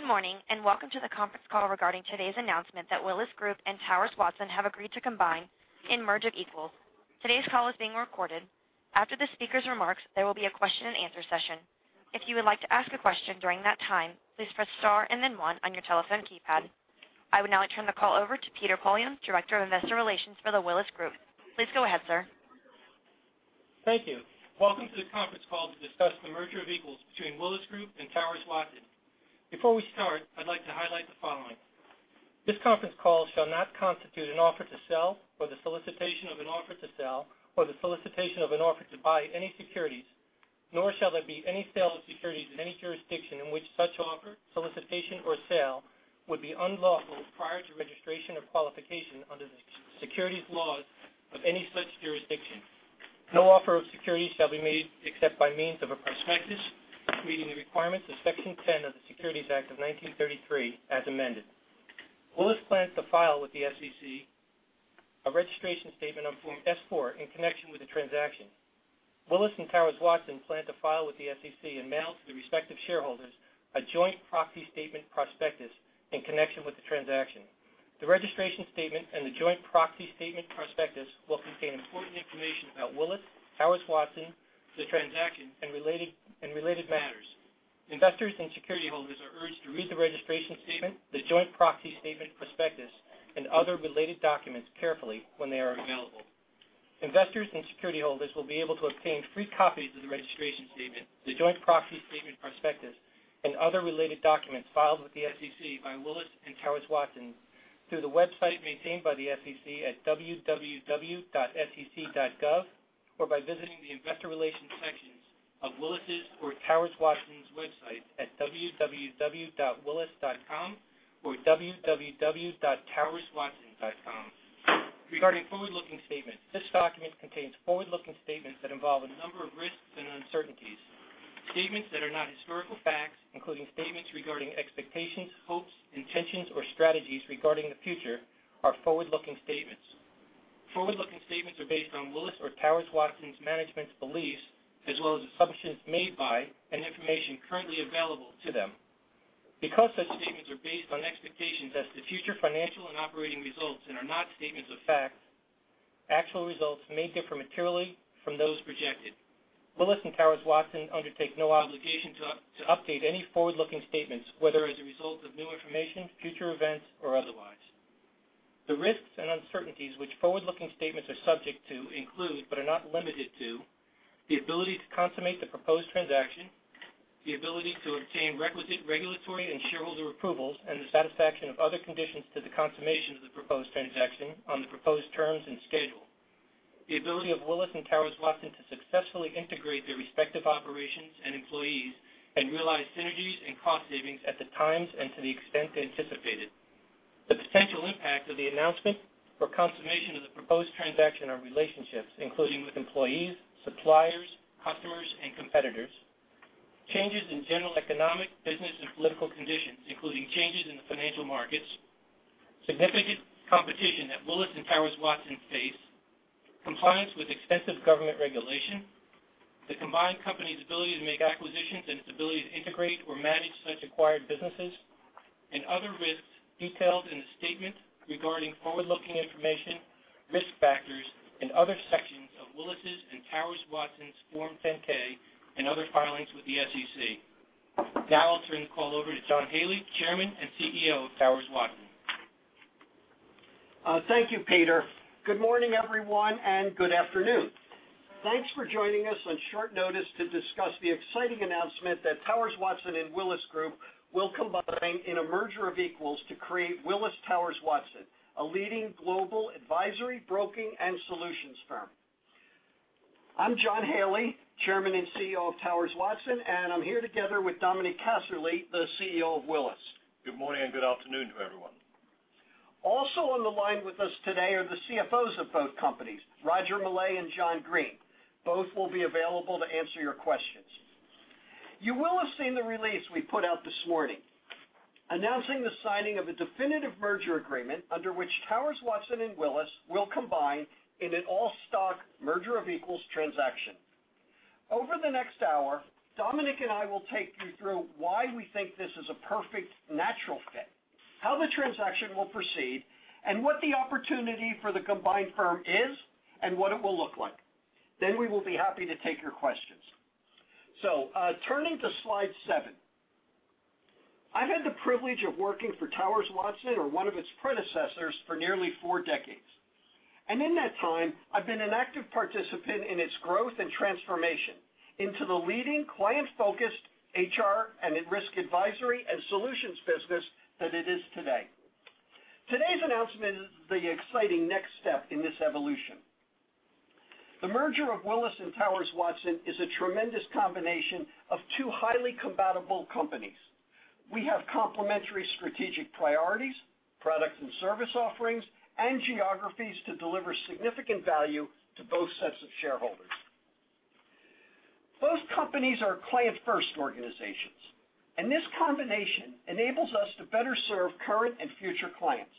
Good morning, welcome to the conference call regarding today's announcement that Willis Group and Towers Watson have agreed to combine in a merger of equals. Today's call is being recorded. After the speakers' remarks, there will be a question and answer session. If you would like to ask a question during that time, please press star and then one on your telephone keypad. I would now like to turn the call over to Peter Poillon, Director of Investor Relations for the Willis Group. Please go ahead, sir. Thank you. Welcome to the conference call to discuss the merger of equals between Willis Group and Towers Watson. Before we start, I'd like to highlight the following. This conference call shall not constitute an offer to sell or the solicitation of an offer to sell or the solicitation of an offer to buy any securities, nor shall there be any sale of securities in any jurisdiction in which such offer, solicitation, or sale would be unlawful prior to registration or qualification under the securities laws of any such jurisdiction. No offer of securities shall be made except by means of a prospectus meeting the requirements of Section 10 of the Securities Act of 1933 as amended. Willis plans to file with the SEC a registration statement on Form S-4 in connection with the transaction. Willis and Towers Watson plan to file with the SEC and mail to the respective shareholders a joint proxy statement prospectus in connection with the transaction. The registration statement and the joint proxy statement prospectus will contain important information about Willis, Towers Watson, the transaction, and related matters. Investors and security holders are urged to read the registration statement, the joint proxy statement prospectus, and other related documents carefully when they are available. Investors and security holders will be able to obtain free copies of the registration statement, the joint proxy statement prospectus, and other related documents filed with the SEC by Willis and Towers Watson through the website maintained by the SEC at www.sec.gov or by visiting the investor relations sections of Willis' or Towers Watson's website at www.willis.com or www.towerswatson.com. Regarding forward-looking statements, this document contains forward-looking statements that involve a number of risks and uncertainties. Statements that are not historical facts, including statements regarding expectations, hopes, intentions, or strategies regarding the future, are forward-looking statements. Forward-looking statements are based on Willis or Towers Watson's management's beliefs as well as assumptions made by and information currently available to them. Because such statements are based on expectations as to future financial and operating results and are not statements of fact, actual results may differ materially from those projected. Willis and Towers Watson undertake no obligation to update any forward-looking statements, whether as a result of new information, future events, or otherwise. The risks and uncertainties which forward-looking statements are subject to include, but are not limited to, the ability to consummate the proposed transaction, the ability to obtain requisite regulatory and shareholder approvals and the satisfaction of other conditions to the consummation of the proposed transaction on the proposed terms and schedule, the ability of Willis and Towers Watson to successfully integrate their respective operations and employees and realize synergies and cost savings at the times and to the extent they anticipated. The potential impact of the announcement or consummation of the proposed transaction on relationships, including with employees, suppliers, customers, and competitors. Changes in general economic, business, and political conditions, including changes in the financial markets. Significant competition that Willis and Towers Watson face. Compliance with extensive government regulation. The combined company's ability to make acquisitions and its ability to integrate or manage such acquired businesses and other risks detailed in the statement regarding forward-looking information, risk factors, and other sections of Willis' and Towers Watson's Form 10-K and other filings with the SEC. I'll turn the call over to John Haley, Chairman and CEO of Towers Watson. Thank you, Peter. Good morning, everyone, and good afternoon. Thanks for joining us on short notice to discuss the exciting announcement that Towers Watson and Willis Group will combine in a merger of equals to create Willis Towers Watson, a leading global advisory, broking, and solutions firm. I'm John Haley, Chairman and CEO of Towers Watson, and I'm here together with Dominic Casserley, the CEO of Willis. Good morning and good afternoon to everyone. Also on the line with us today are the CFOs of both companies, Roger Millay and John Greene. Both will be available to answer your questions. You will have seen the release we put out this morning announcing the signing of a definitive merger agreement under which Towers Watson and Willis will combine in an all-stock merger of equals transaction. Over the next hour, Dominic and I will take you through why we think this is a perfect natural fit, how the transaction will proceed, and what the opportunity for the combined firm is and what it will look like. We will be happy to take your questions. Turning to slide seven. I've had the privilege of working for Towers Watson or one of its predecessors for nearly four decades. In that time, I've been an active participant in its growth and transformation into the leading client-focused HR and risk advisory and solutions business that it is today. Today's announcement is the exciting next step in this evolution. The merger of Willis and Towers Watson is a tremendous combination of two highly compatible companies. We have complementary strategic priorities, product and service offerings, and geographies to deliver significant value to both sets of shareholders. Both companies are client-first organizations. This combination enables us to better serve current and future clients.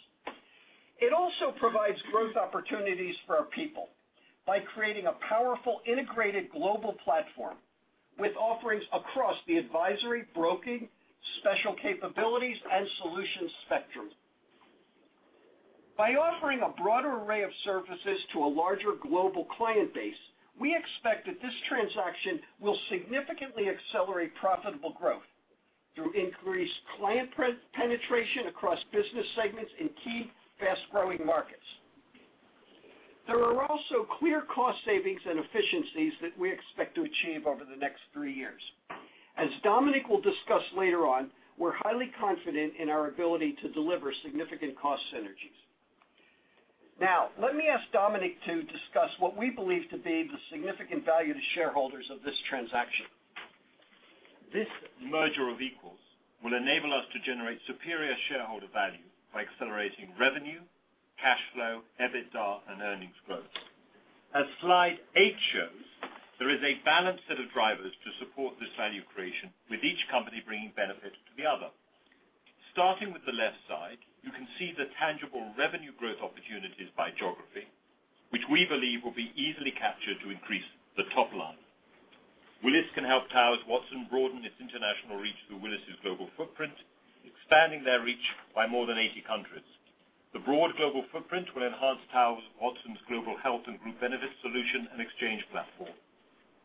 It also provides growth opportunities for our people by creating a powerful, integrated global platform with offerings across the advisory, broking, special capabilities, and solutions spectrum. By offering a broader array of services to a larger global client base, we expect that this transaction will significantly accelerate profitable growth through increased client penetration across business segments in key fast-growing markets. There are also clear cost savings and efficiencies that we expect to achieve over the next three years. As Dominic will discuss later on, we're highly confident in our ability to deliver significant cost synergies. Let me ask Dominic to discuss what we believe to be the significant value to shareholders of this transaction. This merger of equals will enable us to generate superior shareholder value by accelerating revenue, cash flow, EBITDA, and earnings growth. As slide eight shows, there is a balanced set of drivers to support this value creation, with each company bringing benefit to the other. Starting with the left side, you can see the tangible revenue growth opportunities by geography, which we believe will be easily captured to increase the top line. Willis can help Towers Watson broaden its international reach through Willis' global footprint, expanding their reach by more than 80 countries. The broad global footprint will enhance Towers Watson's global health and group benefits solution and exchange platform.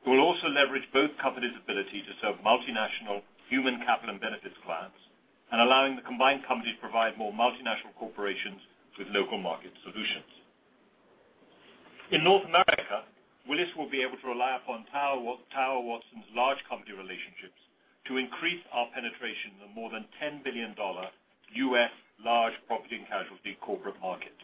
We'll also leverage both companies' ability to serve multinational human capital and benefits clients and allowing the combined company to provide more multinational corporations with local market solutions. In North America, Willis will be able to rely upon Towers Watson's large company relationships to increase our penetration in the more than $10 billion U.S. large P&C corporate market.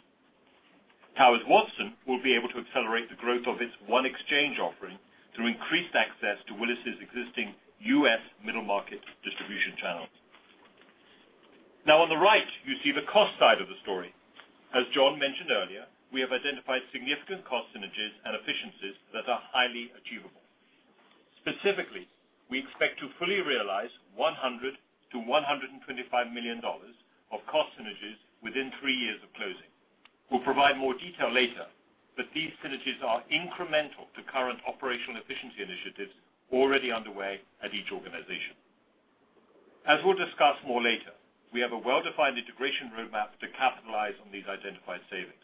Towers Watson will be able to accelerate the growth of its OneExchange offering through increased access to Willis' existing U.S. middle market distribution channels. On the right, you see the cost side of the story. As John mentioned earlier, we have identified significant cost synergies and efficiencies that are highly achievable. Specifically, we expect to fully realize $100 million-$125 million of cost synergies within three years of closing. We'll provide more detail later, but these synergies are incremental to current operational efficiency initiatives already underway at each organization. As we'll discuss more later, we have a well-defined integration roadmap to capitalize on these identified savings.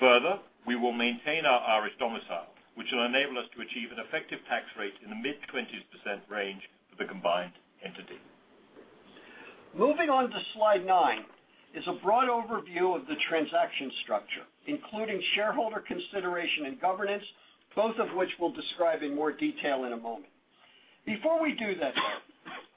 Further, we will maintain our Irish domicile, which will enable us to achieve an effective tax rate in the mid-20% range for the combined entity. Moving on to Slide nine is a broad overview of the transaction structure, including shareholder consideration and governance, both of which we'll describe in more detail in a moment. Before we do that,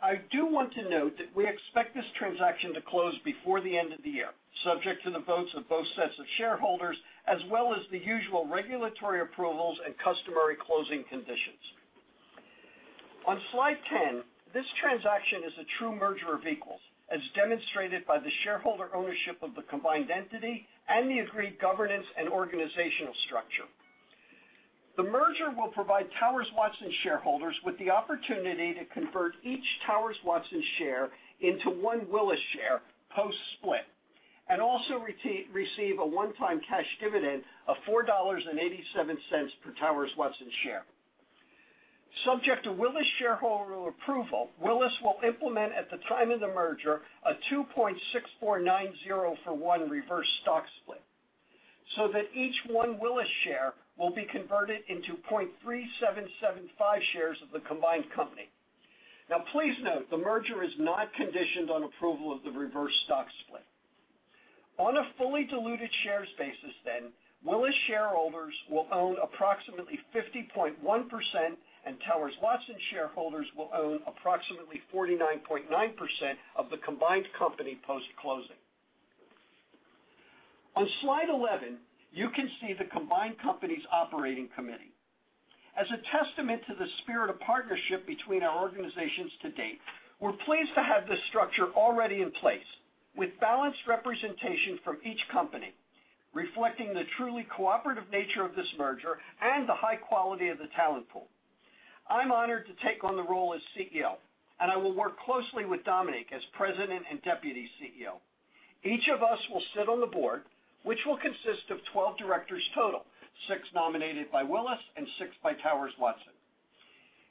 I do want to note that we expect this transaction to close before the end of the year, subject to the votes of both sets of shareholders, as well as the usual regulatory approvals and customary closing conditions. On Slide 10, this transaction is a true merger of equals, as demonstrated by the shareholder ownership of the combined entity and the agreed governance and organizational structure. The merger will provide Towers Watson shareholders with the opportunity to convert each one Towers Watson share into one Willis share post-split and also receive a one-time cash dividend of $4.87 per Towers Watson share. Subject to Willis shareholder approval, Willis will implement at the time of the merger a 2.6490 for one reverse stock split, so that each one Willis share will be converted into 0.3775 shares of the combined company. Please note, the merger is not conditioned on approval of the reverse stock split. On a fully diluted shares basis then, Willis shareholders will own approximately 50.1% and Towers Watson shareholders will own approximately 49.9% of the combined company post-closing. On Slide 11, you can see the combined company's operating committee. As a testament to the spirit of partnership between our organizations to date, we're pleased to have this structure already in place with balanced representation from each company, reflecting the truly cooperative nature of this merger and the high quality of the talent pool. I'm honored to take on the role as CEO. I will work closely with Dominic as president and deputy CEO. Each of us will sit on the board, which will consist of 12 directors total, six nominated by Willis and six by Towers Watson.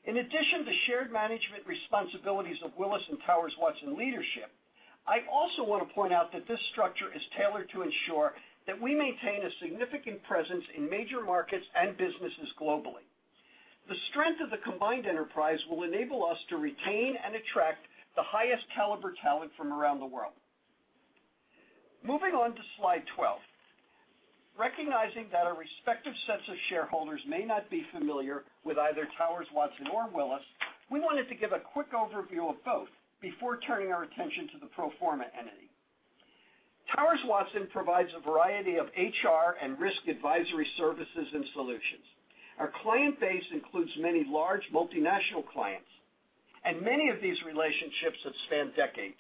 In addition to shared management responsibilities of Willis and Towers Watson leadership, I also want to point out that this structure is tailored to ensure that we maintain a significant presence in major markets and businesses globally. The strength of the combined enterprise will enable us to retain and attract the highest caliber talent from around the world. Moving on to Slide 12. Recognizing that our respective sets of shareholders may not be familiar with either Towers Watson or Willis, we wanted to give a quick overview of both before turning our attention to the pro forma entity. Towers Watson provides a variety of HR and risk advisory services and solutions. Our client base includes many large multinational clients. Many of these relationships have spanned decades.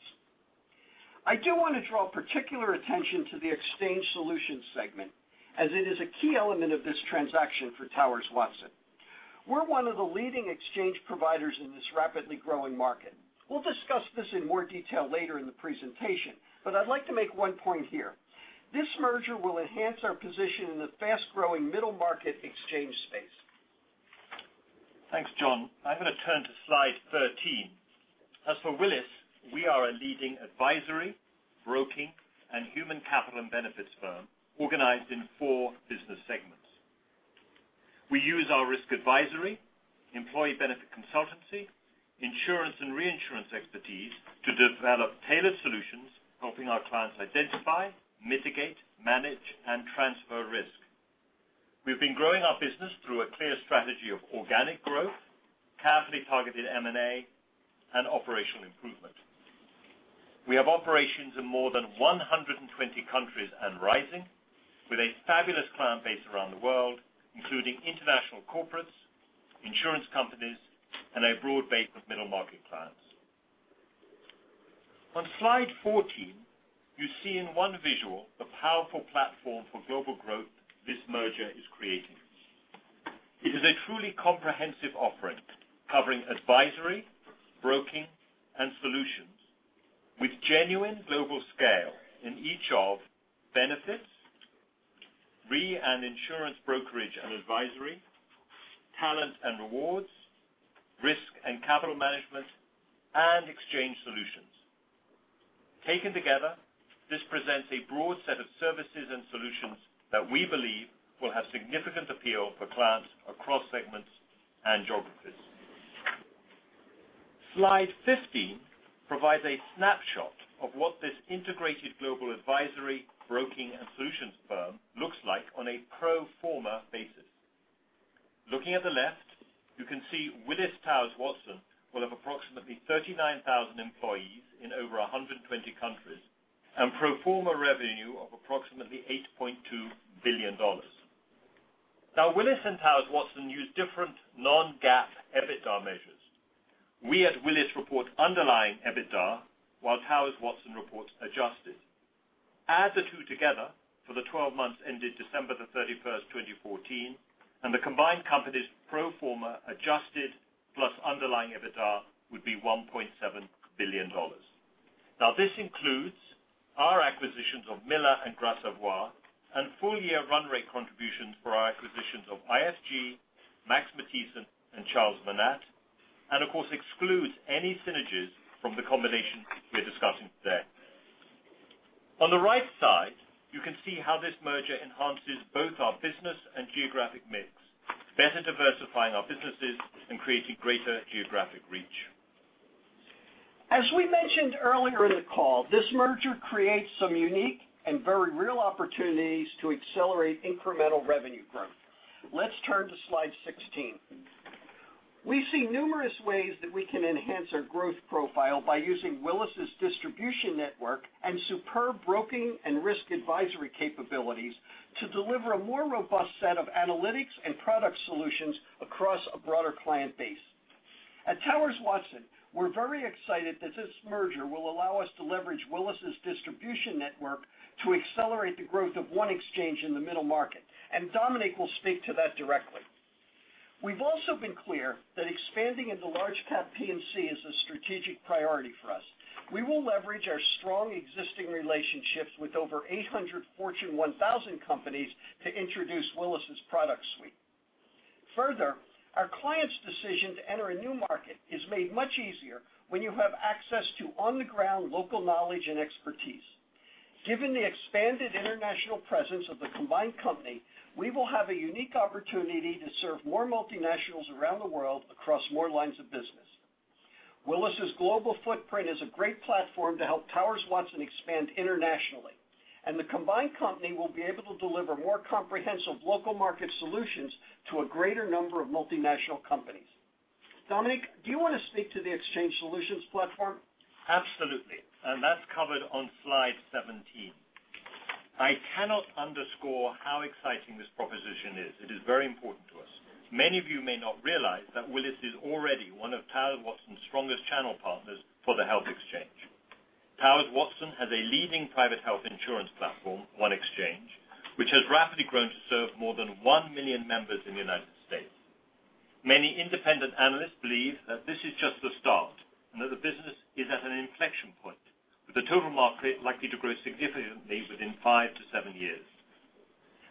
I do want to draw particular attention to the exchange solutions segment as it is a key element of this transaction for Towers Watson. We're one of the leading exchange providers in this rapidly growing market. We'll discuss this in more detail later in the presentation. I'd like to make one point here. This merger will enhance our position in the fast-growing middle market exchange space. Thanks, John. I'm going to turn to Slide 13. As for Willis, we are a leading advisory, broking, and human capital and benefits firm organized in four business segments. We use our risk advisory, employee benefit consultancy, insurance and reinsurance expertise to develop tailored solutions helping our clients identify, mitigate, manage, and transfer risk. We've been growing our business through a clear strategy of organic growth, carefully targeted M&A, and operational improvement. We have operations in more than 120 countries and rising with a fabulous client base around the world, including international corporates, insurance companies, and a broad base of middle-market clients. On Slide 14, you see in one visual the powerful platform for global growth this merger is creating. It is a truly comprehensive offering covering advisory, broking, and solutions with genuine global scale in each of benefits, re and insurance brokerage and advisory, talent and rewards, risk and capital management, and exchange solutions. Taken together, this presents a broad set of services and solutions that we believe will have significant appeal for clients across segments and geographies. Slide 15 provides a snapshot of what this integrated global advisory, broking, and solutions firm looks like on a pro forma basis. Looking at the left, you can see Willis Towers Watson will have approximately 39,000 employees in over 120 countries and pro forma revenue of approximately $8.2 billion. Willis and Towers Watson use different non-GAAP EBITDA measures. We at Willis report underlying EBITDA, while Towers Watson reports adjusted. Add the two together for the 12 months ended December the 31st, 2014, the combined company's pro forma adjusted plus underlying EBITDA would be $1.7 billion. This includes our acquisitions of Miller and Gras Savoye and full-year run rate contributions for our acquisitions of ISG, Max Matthiessen, and Charles Monat, and of course, excludes any synergies from the combination we are discussing today. On the right side, you can see how this merger enhances both our business and geographic mix, better diversifying our businesses and creating greater geographic reach. As we mentioned earlier in the call, this merger creates some unique and very real opportunities to accelerate incremental revenue growth. Let's turn to slide 16. We see numerous ways that we can enhance our growth profile by using Willis's distribution network and superb broking and risk advisory capabilities to deliver a more robust set of analytics and product solutions across a broader client base. At Towers Watson, we're very excited that this merger will allow us to leverage Willis's distribution network to accelerate the growth of OneExchange in the middle market, and Dominic will speak to that directly. We've also been clear that expanding into large cap P&C is a strategic priority for us. We will leverage our strong existing relationships with over 800 Fortune 1000 companies to introduce Willis's product suite. Our clients' decision to enter a new market is made much easier when you have access to on-the-ground local knowledge and expertise. Given the expanded international presence of the combined company, we will have a unique opportunity to serve more multinationals around the world across more lines of business. Willis's global footprint is a great platform to help Towers Watson expand internationally, and the combined company will be able to deliver more comprehensive local market solutions to a greater number of multinational companies. Dominic, do you want to speak to the exchange solutions platform? Absolutely. That's covered on slide 17. I cannot underscore how exciting this proposition is. It is very important to us. Many of you may not realize that Willis is already one of Towers Watson's strongest channel partners for the health exchange. Towers Watson has a leading private health insurance platform, OneExchange, which has rapidly grown to serve more than 1 million members in the United States. Many independent analysts believe that this is just the start and that the business is at an inflection point, with the total market likely to grow significantly within 5 to 7 years.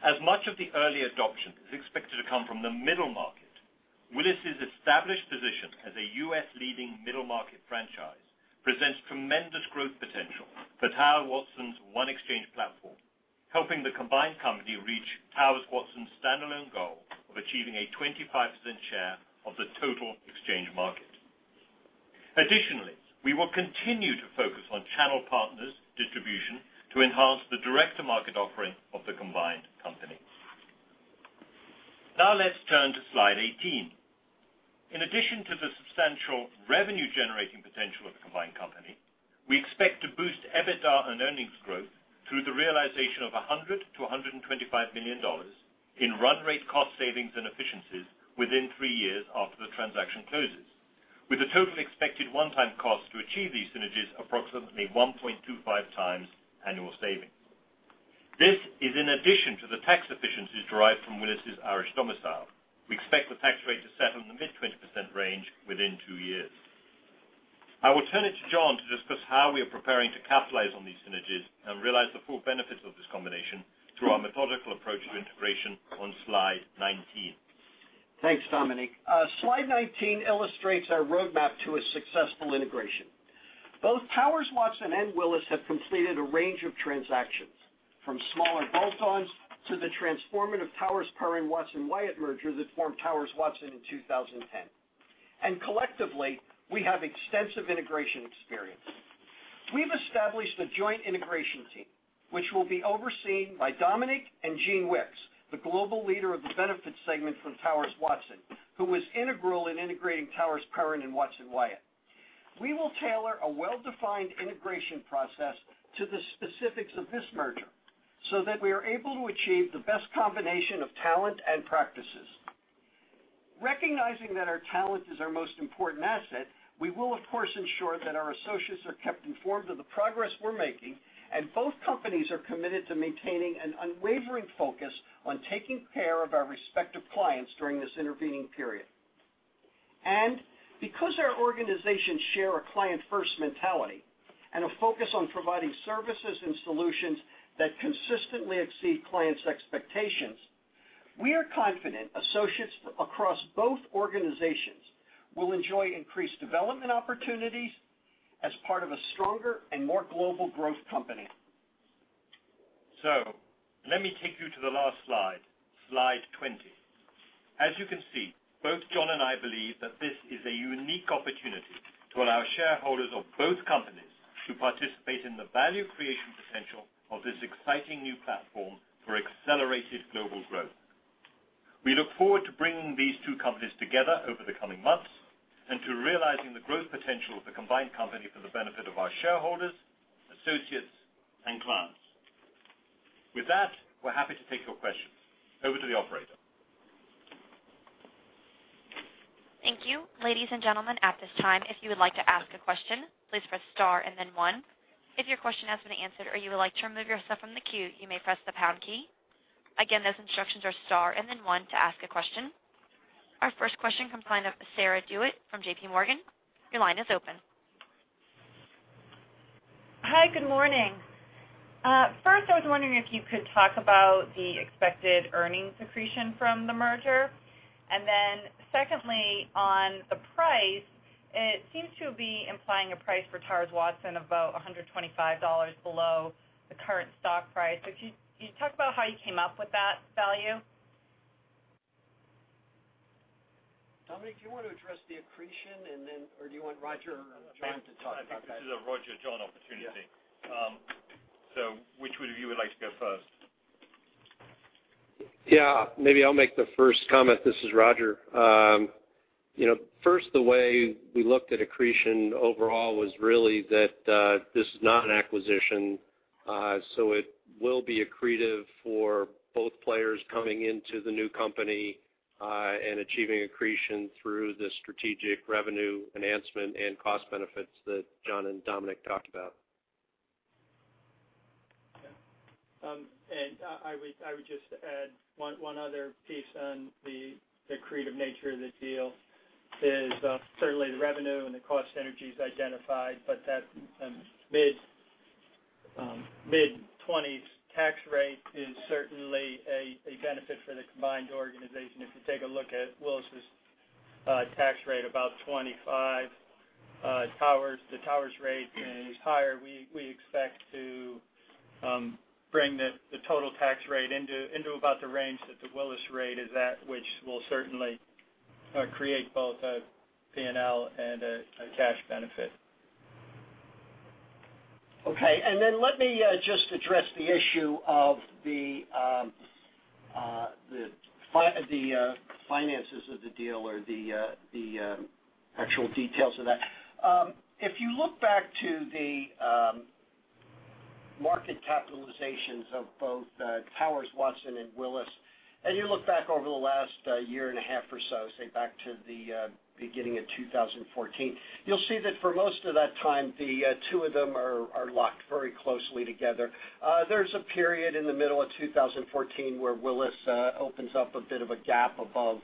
As much of the early adoption is expected to come from the middle market, Willis's established position as a U.S.-leading middle-market franchise presents tremendous growth potential for Towers Watson's OneExchange platform, helping the combined company reach Towers Watson's standalone goal of achieving a 25% share of the total exchange market. Additionally, we will continue to focus on channel partners' distribution to enhance the direct-to-market offering of the combined company. Now let's turn to slide 18. In addition to the substantial revenue-generating potential of the combined company, we expect to boost EBITDA and earnings growth through the realization of $100 to $125 million in run rate cost savings and efficiencies within three years after the transaction closes, with the total expected one-time cost to achieve these synergies approximately 1.25 times annual savings. This is in addition to the tax efficiencies derived from Willis's Irish domicile. We expect the tax rate to settle in the mid-20% range within two years. I will turn it to John to discuss how we are preparing to capitalize on these synergies and realize the full benefits of this combination through our methodical approach to integration on slide 19. Thanks, Dominic. Slide 19 illustrates our roadmap to a successful integration. Both Towers Watson and Willis have completed a range of transactions, from smaller bolt-ons to the transformative Towers Perrin, Watson Wyatt merger that formed Towers Watson in 2010. Collectively, we have extensive integration experience. We've established a joint integration team, which will be overseen by Dominic and Gene Wickes, the global leader of the benefits segment from Towers Watson, who was integral in integrating Towers Perrin and Watson Wyatt. We will tailor a well-defined integration process to the specifics of this merger so that we are able to achieve the best combination of talent and practices. Recognizing that our talent is our most important asset, we will, of course, ensure that our associates are kept informed of the progress we're making. Both companies are committed to maintaining an unwavering focus on taking care of our respective clients during this intervening period. Because our organizations share a client-first mentality and a focus on providing services and solutions that consistently exceed clients' expectations, we are confident associates across both organizations will enjoy increased development opportunities as part of a stronger and more global growth company. Let me take you to the last slide 20. As you can see, both John and I believe that this is a unique opportunity to allow shareholders of both companies to participate in the value creation potential of this exciting new platform for accelerated global growth. We look forward to bringing these two companies together over the coming months and to realizing the growth potential of the combined company for the benefit of our shareholders, associates, and clients. With that, we're happy to take your questions. Over to the operator. Thank you. Ladies and gentlemen, at this time, if you would like to ask a question, please press star and then one. If your question has been answered or you would like to remove yourself from the queue, you may press the pound key. Again, those instructions are star and then one to ask a question. Our first question comes line of Sarah DeWitt from J.P. Morgan. Your line is open. Hi, good morning. First, I was wondering if you could talk about the expected earnings accretion from the merger. Secondly, on the price, it seems to be implying a price for Towers Watson of about $125 below the current stock price. Could you talk about how you came up with that value? Dominic, do you want to address the accretion or do you want Roger or John to talk about that? I think this is a Roger Millay/John Greene opportunity. Yeah. Which one of you would like to go first? Yeah. Maybe I'll make the first comment. This is Roger Millay. First, the way we looked at accretion overall was really that this is not an acquisition, so it will be accretive for both players coming into the new company, and achieving accretion through the strategic revenue enhancement and cost benefits that John Greene and Dominic Casserley talked about. Okay. I would just add one other piece on the accretive nature of the deal is certainly the revenue and the cost synergies identified, but that mid-20s tax rate is certainly a benefit for the combined organization. If you take a look at Willis' tax rate, about 25, the Towers rate is higher. We expect to bring the total tax rate into about the range that the Willis rate is at, which will certainly create both a P&L and a cash benefit. Okay. Let me just address the issue of the finances of the deal or the actual details of that. If you look back to the market capitalizations of both Towers Watson and Willis, and you look back over the last year and a half or so, say back to the beginning of 2014, you'll see that for most of that time, the two of them are locked very closely together. There's a period in the middle of 2014 where Willis opens up a bit of a gap above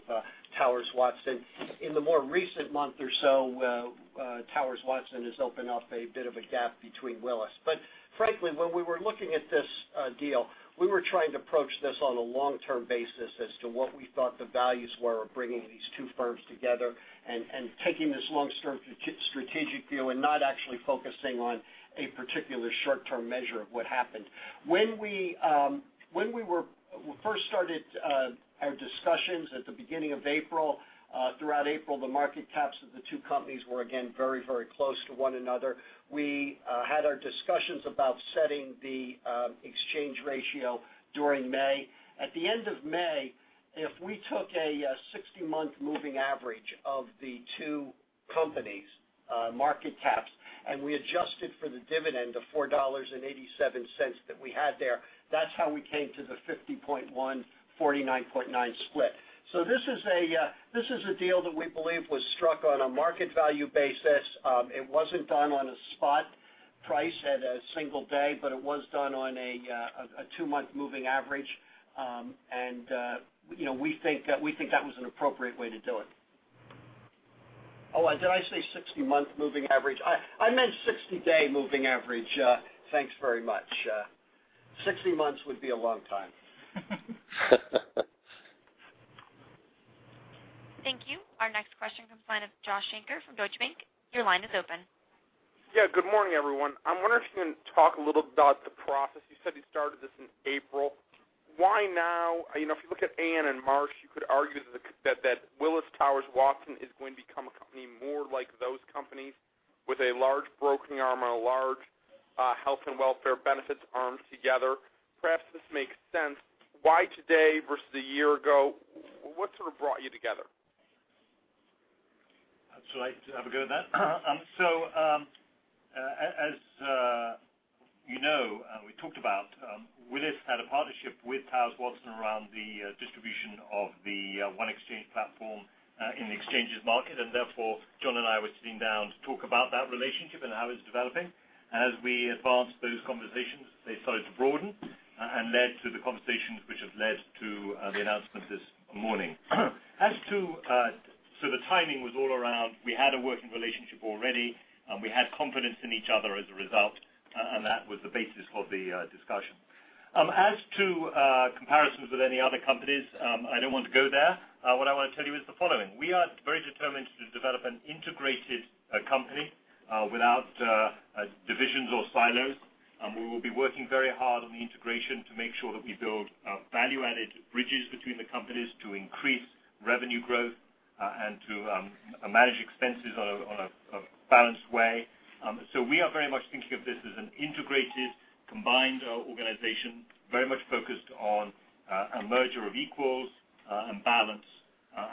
Towers Watson. In the more recent month or so, Towers Watson has opened up a bit of a gap between Willis. Frankly, when we were looking at this deal, we were trying to approach this on a long-term basis as to what we thought the values were of bringing these two firms together and taking this long-term strategic view and not actually focusing on a particular short-term measure of what happened. When we first started our discussions at the beginning of April, throughout April, the market caps of the two companies were again very close to one another. We had our discussions about setting the exchange ratio during May. At the end of May, if we took a 60-month moving average of the two companies' market caps, and we adjusted for the dividend of $4.87 that we had there, that's how we came to the 50.1/49.9 split. This is a deal that we believe was struck on a market value basis. It wasn't done on a spot price at a single day, but it was done on a two-month moving average. We think that was an appropriate way to do it. Oh, did I say 60-month moving average? I meant 60-day moving average. Thanks very much. 60 months would be a long time. Thank you. Our next question comes line of Joshua Shanker from Deutsche Bank. Your line is open. Yeah. Good morning, everyone. I'm wondering if you can talk a little about the process. You said you started this in April. Why now? If you look at Aon and Marsh, you could argue that Willis Towers Watson is going to become a company more like those companies with a large broking arm and a large health and welfare benefits arm together. Perhaps this makes sense. Why today versus a year ago? What sort of brought you together? I'd like to have a go at that. As you know, and we talked about, Willis had a partnership with Towers Watson around the distribution of the OneExchange platform in the exchanges market. John and I were sitting down to talk about that relationship and how it's developing. As we advanced those conversations, they started to broaden and led to the conversations which have led to the announcement this morning. The timing was all around, we had a working relationship already, and we had confidence in each other as a result, and that was the basis of the discussion. As to comparisons with any other companies, I don't want to go there. What I want to tell you is the following. We are very determined to develop an integrated company without divisions or silos. We will be working very hard on the integration to make sure that we build value-added bridges between the companies to increase revenue growth and to manage expenses on a balanced way. We are very much thinking of this as an integrated, combined organization, very much focused on a merger of equals and balance,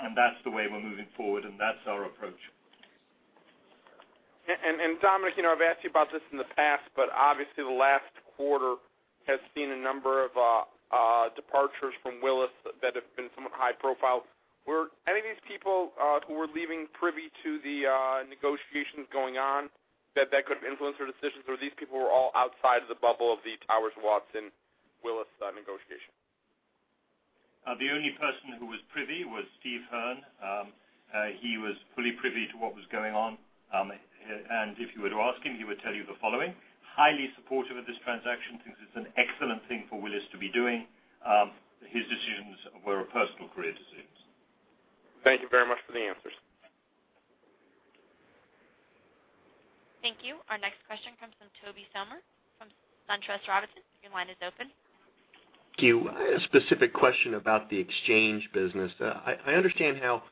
and that's the way we're moving forward, and that's our approach. Dominic, I've asked you about this in the past, but obviously the last quarter has seen a number of departures from Willis that have been somewhat high profile. Were any of these people who were leaving privy to the negotiations going on that could have influenced their decisions, or these people were all outside of the bubble of the Towers Watson Willis negotiation? The only person who was privy was Steve Hearn. He was fully privy to what was going on. If you were to ask him, he would tell you the following. Highly supportive of this transaction, thinks it's an excellent thing for Willis to be doing. His decisions were personal career decisions. Thank you very much for the answers. Thank you. Our next question comes from Tobey Sommer from SunTrust Robinson. Your line is open. Thank you. A specific question about the exchange business. I understand how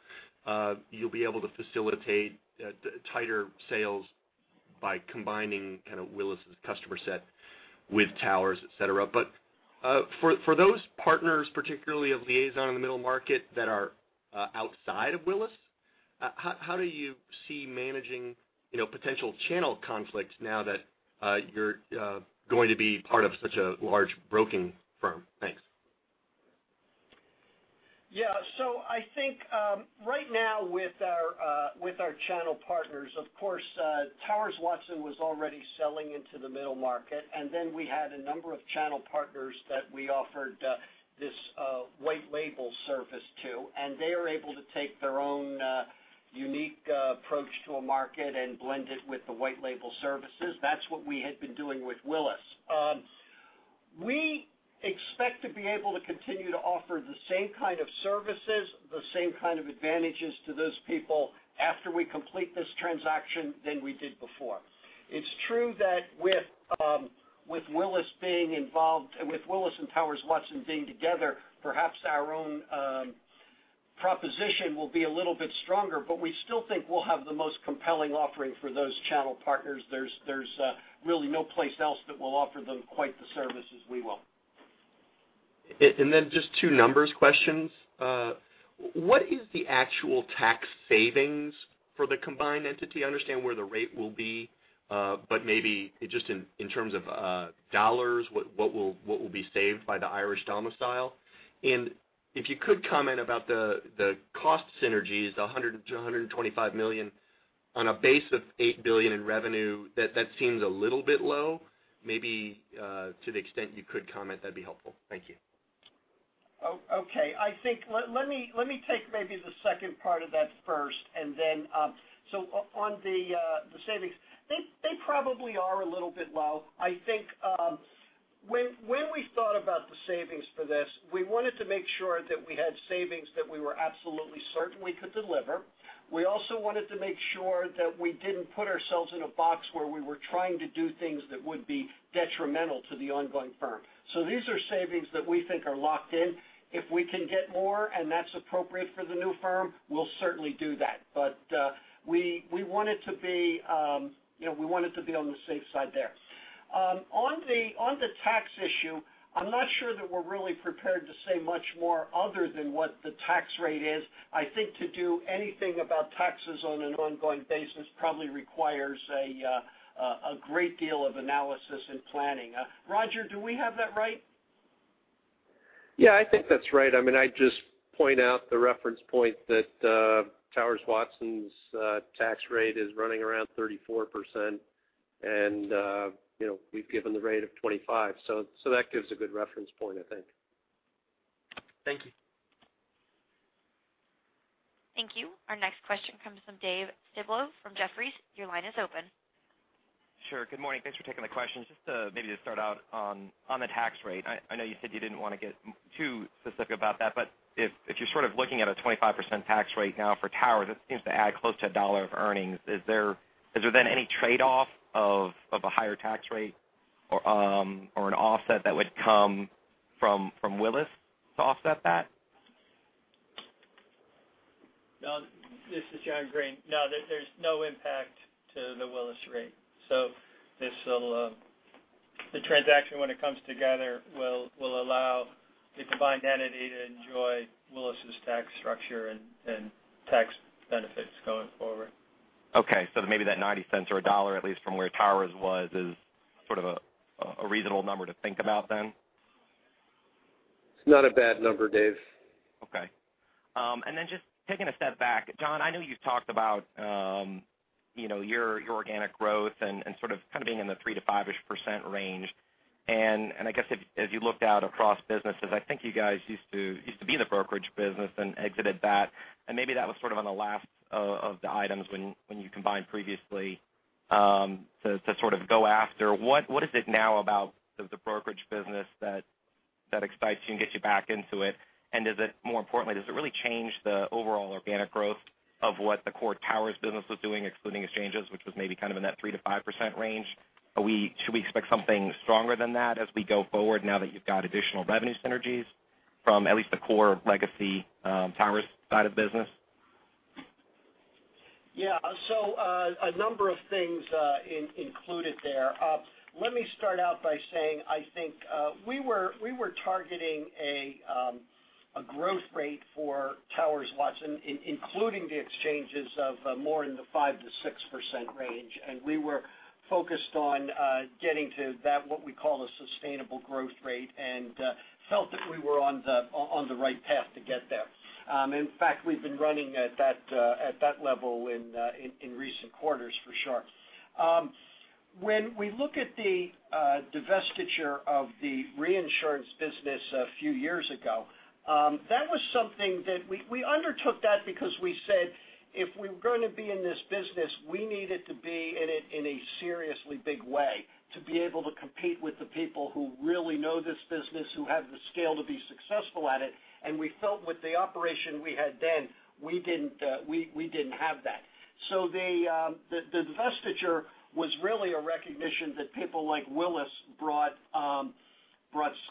you'll be able to facilitate tighter sales by combining Willis' customer set with Towers, et cetera. For those partners, particularly of Liazon in the middle market that are outside of Willis, how do you see managing potential channel conflicts now that you're going to be part of such a large broking firm? Thanks. Yeah. I think right now with our channel partners, of course, Towers Watson was already selling into the middle market, and then we had a number of channel partners that we offered this white label service to, and they are able to take their own unique approach to a market and blend it with the white label services. That's what we had been doing with Willis. We expect to be able to continue to offer the same kind of services, the same kind of advantages to those people after we complete this transaction than we did before. It's true that with Willis and Towers Watson being together, perhaps our own proposition will be a little bit stronger. We still think we'll have the most compelling offering for those channel partners. There's really no place else that will offer them quite the services we will. Just two numbers questions. What is the actual tax savings for the combined entity? I understand where the rate will be. Maybe just in terms of dollars, what will be saved by the Irish domicile? If you could comment about the cost synergies, the $100 million-$125 million on a base of $8 billion in revenue. That seems a little bit low. Maybe to the extent you could comment, that'd be helpful. Thank you. Okay. Let me take maybe the second part of that first. On the savings, they probably are a little bit low. I think when we thought about the savings for this, we wanted to make sure that we had savings that we were absolutely certain we could deliver. We also wanted to make sure that we didn't put ourselves in a box where we were trying to do things that would be detrimental to the ongoing firm. These are savings that we think are locked in. If we can get more and that's appropriate for the new firm, we'll certainly do that. We wanted to be on the safe side there. On the tax issue, I'm not sure that we're really prepared to say much more other than what the tax rate is. I think to do anything about taxes on an ongoing basis probably requires a great deal of analysis and planning. Roger, do we have that right? Yeah, I think that's right. I'd just point out the reference point that Towers Watson's tax rate is running around 34%, and we've given the rate of 25%. That gives a good reference point, I think. Thank you. Thank you. Our next question comes from Dave Styblo from Jefferies. Your line is open. Sure. Good morning. Thanks for taking the questions. Just maybe to start out on the tax rate. I know you said you didn't want to get too specific about that, but if you're sort of looking at a 25% tax rate now for Towers, it seems to add close to $1 of earnings. Is there any trade-off of a higher tax rate or an offset that would come from Willis to offset that? John, this is John Greene. There's no impact to the Willis rate. The transaction when it comes together will allow the combined entity to enjoy Willis's tax structure and tax benefits going forward. Maybe that $0.90 or $1, at least from where Towers was, is sort of a reasonable number to think about then? It's not a bad number, Dave. Just taking a step back, John, I know you've talked about your organic growth and sort of kind of being in the 3%-5%-ish range. I guess as you looked out across businesses, I think you guys used to be in the brokerage business and exited that, and maybe that was sort of on the last of the items when you combined previously to sort of go after. What is it now about the brokerage business that excites you and gets you back into it? More importantly, does it really change the overall organic growth of what the core Towers business was doing, excluding exchanges, which was maybe kind of in that 3%-5% range? Should we expect something stronger than that as we go forward now that you've got additional revenue synergies from at least the core legacy Towers side of business? Yeah. A number of things included there. Let me start out by saying I think we were targeting a growth rate for Towers Watson, including the exchanges of more in the 5% to 6% range, and we were focused on getting to that what we call a sustainable growth rate and felt that we were on the right path to get there. In fact, we've been running at that level in recent quarters for sure. When we look at the divestiture of the reinsurance business a few years ago, we undertook that because we said if we were going to be in this business, we needed to be in it in a seriously big way to be able to compete with the people who really know this business, who have the scale to be successful at it. We felt with the operation we had then we didn't have that. The divestiture was really a recognition that people like Willis brought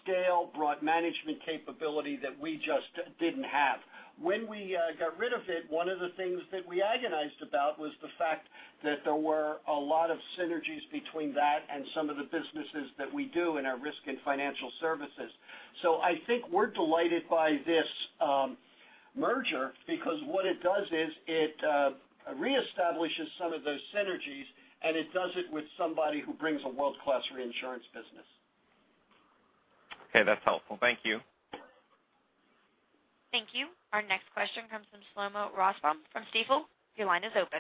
scale, brought management capability that we just didn't have. When we got rid of it, one of the things that we agonized about was the fact that there were a lot of synergies between that and some of the businesses that we do in our risk and financial services. I think we're delighted by this merger because what it does is it reestablishes some of those synergies, and it does it with somebody who brings a world-class reinsurance business. Okay. That's helpful. Thank you. Thank you. Our next question comes from Shlomo Rosenbaum from Stifel. Your line is open.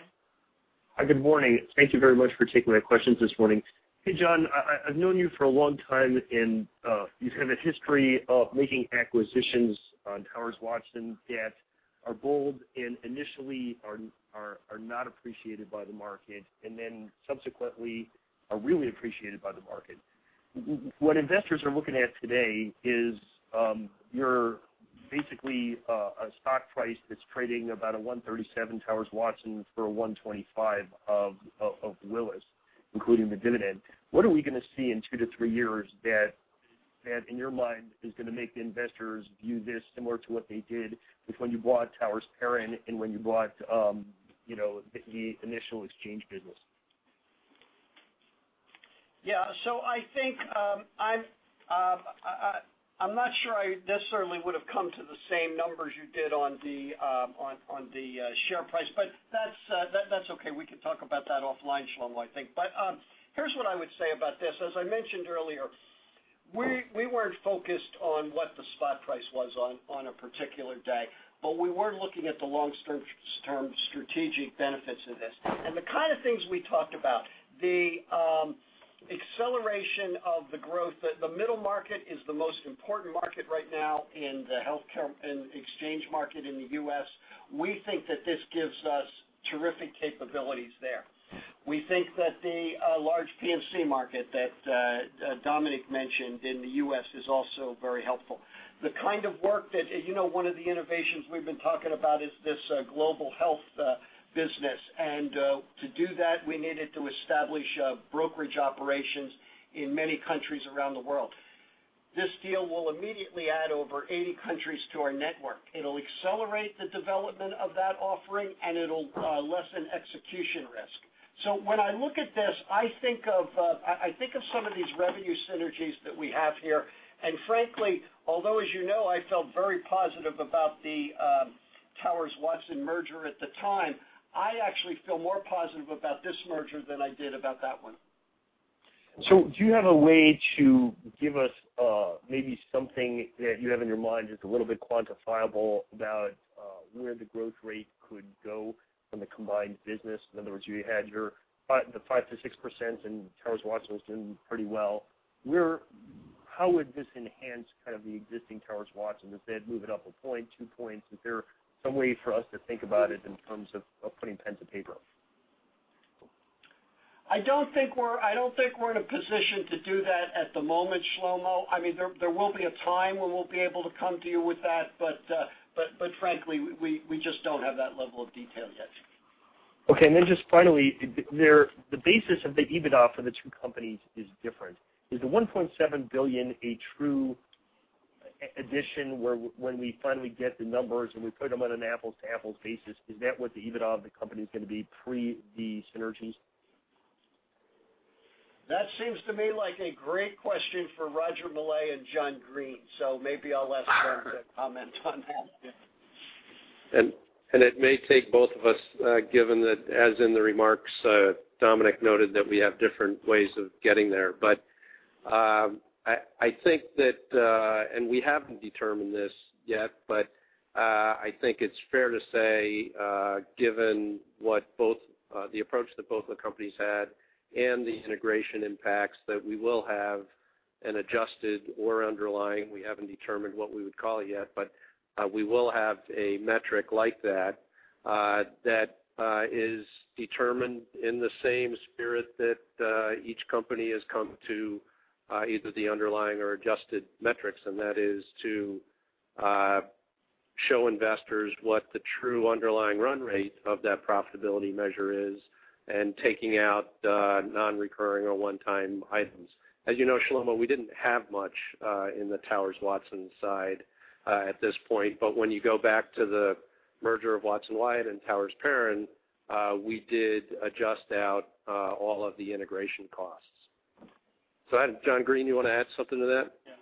Hi, good morning. Thank you very much for taking my questions this morning. Hey, John. I've known you for a long time, and you have a history of making acquisitions on Towers Watson that are bold and initially are not appreciated by the market, and then subsequently are really appreciated by the market. What investors are looking at today is your basically a stock price that's trading about a $137 Towers Watson for a $125 of Willis, including the dividend. What are we going to see in two to three years that in your mind is going to make the investors view this similar to what they did with when you bought Towers Perrin and when you bought the initial exchange business? Yeah. I'm not sure I necessarily would've come to the same numbers you did on the share price, but that's okay. We can talk about that offline, Shlomo, I think. Here's what I would say about this. As I mentioned earlier, we weren't focused on what the spot price was on a particular day, but we were looking at the long-term strategic benefits of this. The kind of things we talked about, the acceleration of the growth. The middle market is the most important market right now in the healthcare and exchange market in the U.S. We think that this gives us terrific capabilities there. We think that the large P&C market that Dominic mentioned in the U.S. is also very helpful. One of the innovations we've been talking about is this global health business. To do that, we needed to establish brokerage operations in many countries around the world. This deal will immediately add over 80 countries to our network. It'll accelerate the development of that offering, and it'll lessen execution risk. When I look at this, I think of some of these revenue synergies that we have here, and frankly, although as you know, I felt very positive about the Towers Watson merger at the time, I actually feel more positive about this merger than I did about that one. Do you have a way to give us maybe something that you have in your mind, just a little bit quantifiable about where the growth rate could go from the combined business? In other words, you had the 5%-6%, and Towers Watson was doing pretty well. How would this enhance the existing Towers Watson? Does that move it up a point, two points? Is there some way for us to think about it in terms of putting pen to paper? I don't think we're in a position to do that at the moment, Shlomo. There will be a time when we'll be able to come to you with that. Frankly, we just don't have that level of detail yet. Okay. Just finally, the basis of the EBITDA for the two companies is different. Is the $1.7 billion a true addition where when we finally get the numbers and we put them on an apples-to-apples basis, is that what the EBITDA of the company is going to be pre the synergies? That seems to me like a great question for Roger Millay and John Greene, maybe I'll ask them to comment on that. It may take both of us, given that as in the remarks, Dominic noted that we have different ways of getting there. I think that, and we haven't determined this yet, but I think it's fair to say, given the approach that both the companies had and the integration impacts, that we will have an adjusted or underlying, we haven't determined what we would call it yet, but we will have a metric like that is determined in the same spirit that each company has come to either the underlying or adjusted metrics. That is to show investors what the true underlying run rate of that profitability measure is and taking out non-recurring or one-time items. As you know, Shlomo, we didn't have much in the Towers Watson side at this point. When you go back to the merger of Watson Wyatt and Towers Perrin, we did adjust out all of the integration costs. Go ahead, John Greene, you want to add something to that? Yeah.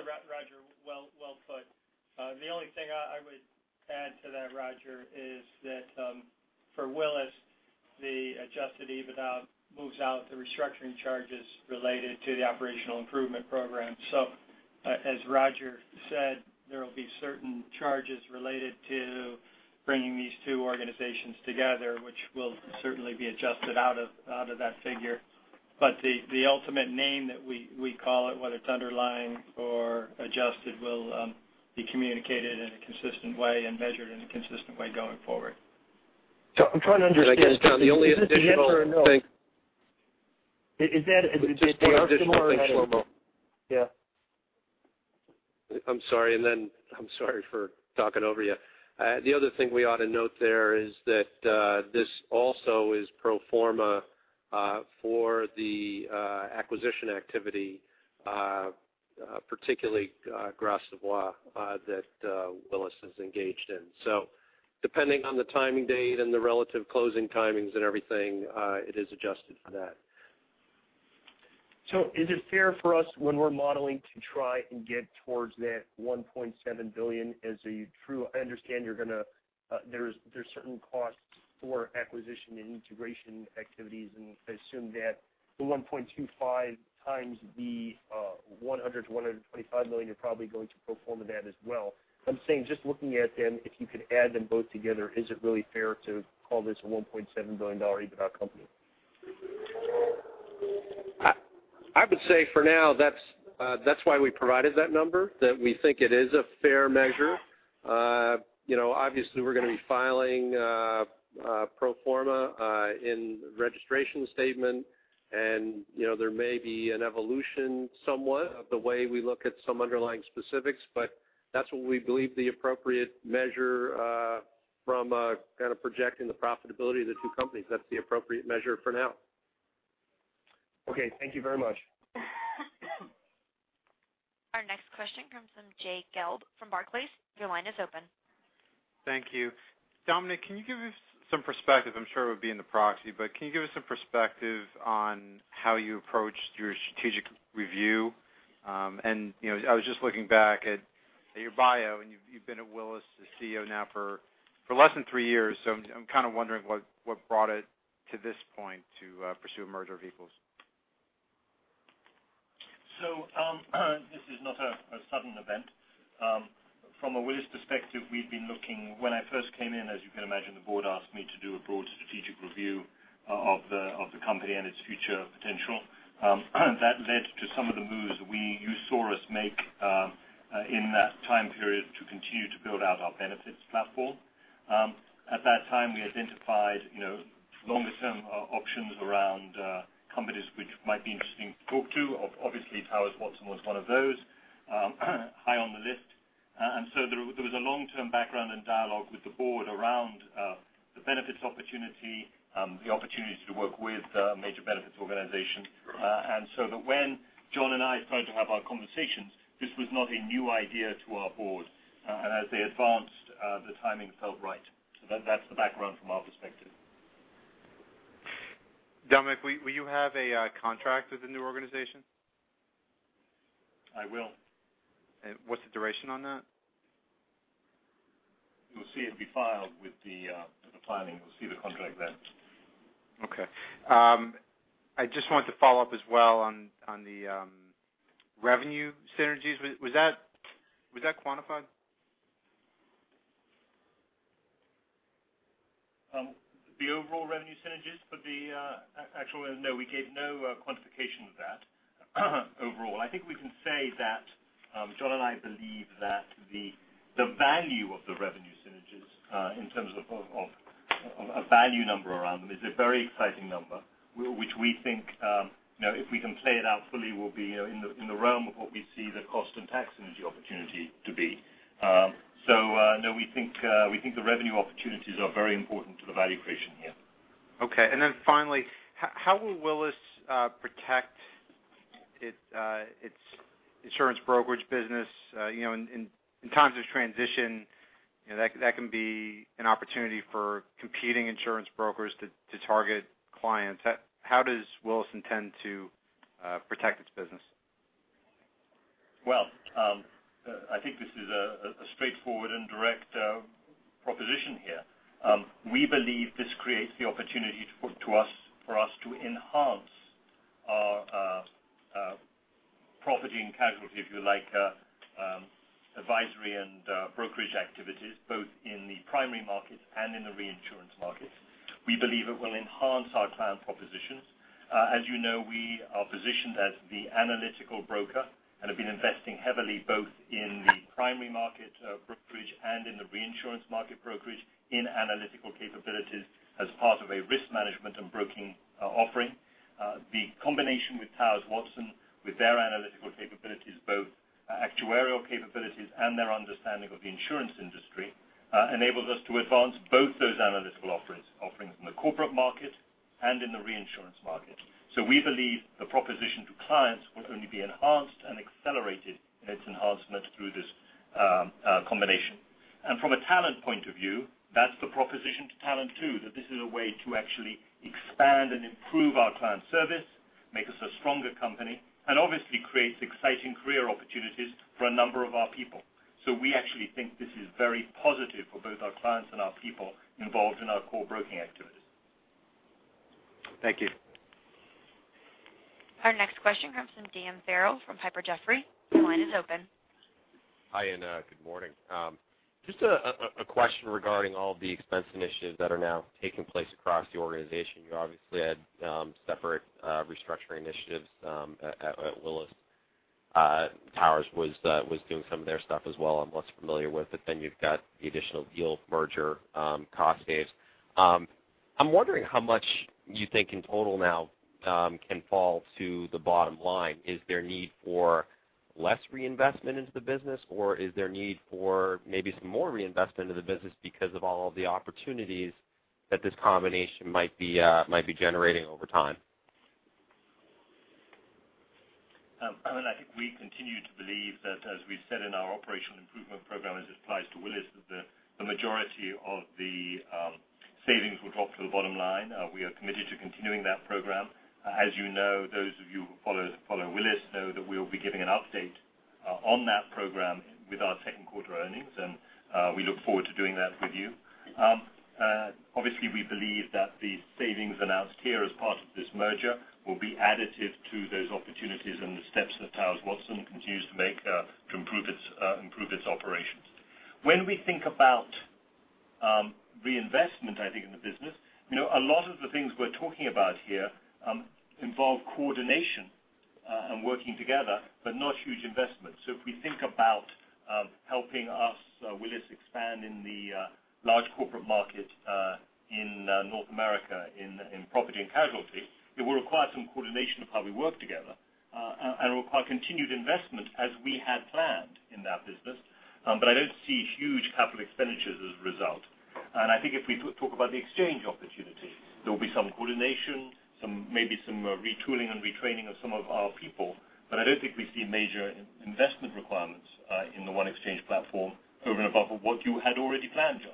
Roger, well put. The only thing I would add to that, Roger, is that for Willis, the adjusted EBITDA moves out the restructuring charges related to the operational improvement program. As Roger said, there will be certain charges related to bringing these two organizations together, which will certainly be adjusted out of that figure. The ultimate name that we call it, whether it's underlying or adjusted, will be communicated in a consistent way and measured in a consistent way going forward. I'm trying to understand. Can I just, John, the only additional thing. Is it a yes or a no? Is that they are similar. Just one additional thing, Shlomo. Yeah. I'm sorry for talking over you. The other thing we ought to note there is that this also is pro forma for the acquisition activity, particularly Gras Savoye, that Willis is engaged in. Depending on the timing date and the relative closing timings and everything, it is adjusted for that. Is it fair for us when we're modeling to try and get towards that $1.7 billion? I understand there's certain costs for acquisition and integration activities, and I assume that the 1.25x the $100 million-$125 million, you're probably going to pro forma that as well. I'm saying, just looking at them, if you could add them both together, is it really fair to call this a $1.7 billion EBITDA company? I would say for now, that's why we provided that number, that we think it is a fair measure. Obviously, we're going to be filing pro forma in registration statement, and there may be an evolution somewhat of the way we look at some underlying specifics, but that's what we believe the appropriate measure from kind of projecting the profitability of the two companies. That's the appropriate measure for now. Okay. Thank you very much. Our next question comes from Jay Gelb from Barclays. Your line is open. Thank you. Dominic, can you give us some perspective, I'm sure it would be in the proxy, but can you give us some perspective on how you approached your strategic review? I was just looking back at your bio, and you've been at Willis as CEO now for less than three years. I'm kind of wondering what brought it to this point to pursue a merger of equals. This is not a sudden event. From a Willis perspective, when I first came in, as you can imagine, the board asked me to do a broad strategic review of the company and its future potential. That led to some of the moves you saw us make in that time period to continue to build out our benefits platform. At that time, we identified longer-term options around companies which might be interesting to talk to. Obviously, Towers Watson was one of those high on the list. There was a long-term background and dialogue with the board around the benefits opportunity, the opportunity to work with a major benefits organization. That when John and I started to have our conversations, this was not a new idea to our board. As they advanced, the timing felt right. That's the background from our perspective. Dominic, will you have a contract with the new organization? I will. What's the duration on that? You'll see it be filed with the plan. You'll see the contract then. Okay. I just wanted to follow up as well on the revenue synergies. Was that quantified? No, we gave no quantification of that overall. I think we can say that John and I believe that the value of the revenue synergies in terms of a value number around them is a very exciting number, which we think if we can play it out fully will be in the realm of what we see the cost and tax synergy opportunity to be. No, we think the revenue opportunities are very important to the value creation here. Okay, finally, how will Willis protect its insurance brokerage business? In times of transition, that can be an opportunity for competing insurance brokers to target clients. How does Willis intend to protect its business? Well, I think this is a straightforward and direct proposition here. We believe this creates the opportunity for us to enhance our property and casualty, if you like, advisory and brokerage activities, both in the primary markets and in the reinsurance markets. We believe it will enhance our client propositions. As you know, we are positioned as the analytical broker and have been investing heavily both in the primary market brokerage and in the reinsurance market brokerage in analytical capabilities as part of a risk management and broking offering. The combination with Towers Watson, with their analytical capabilities, both actuarial capabilities and their understanding of the insurance industry, enables us to advance both those analytical offerings in the corporate market and in the reinsurance market. We believe the proposition to clients will only be enhanced and accelerated in its enhancement through this combination. From a talent point of view, that's the proposition to talent, too, that this is a way to actually expand and improve our client service, make us a stronger company, and obviously creates exciting career opportunities for a number of our people. We actually think this is very positive for both our clients and our people involved in our core broking activities. Thank you. Our next question comes from Dan Farrell from Piper Jaffray. Your line is open. Hi, and good morning. Just a question regarding all the expense initiatives that are now taking place across the organization. You obviously had separate restructuring initiatives at Willis. Towers was doing some of their stuff as well. I'm less familiar with it. You've got the additional deal merger cost saves. I'm wondering how much you think in total now can fall to the bottom line. Is there need for less reinvestment into the business, or is there need for maybe some more reinvestment into the business because of all of the opportunities that this combination might be generating over time? I think we continue to believe that as we said in our operational improvement program as it applies to Willis, that the majority of the savings will drop to the bottom line. We are committed to continuing that program. As you know, those of you who follow Willis know that we'll be giving an update on that program with our second quarter earnings, and we look forward to doing that with you. Obviously, we believe that the savings announced here as part of this merger will be additive to those opportunities and the steps that Towers Watson continues to make to improve its operations. When we think about reinvestment, I think in the business, a lot of the things we're talking about here involve coordination and working together, but not huge investments. If we think about helping us, Willis expand in the large corporate market in North America in property and casualty, it will require some coordination of how we work together and it will require continued investment as we had planned in that business. I don't see huge capital expenditures as a result. I think if we talk about the exchange opportunities, there will be some coordination, maybe some retooling and retraining of some of our people, but I don't think we see major investment requirements in the OneExchange platform over and above what you had already planned, John.